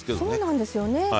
そうなんですよね。